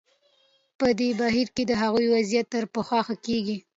په دې بهیر کې د هغوی وضعیت تر پخوا ښه کېږي.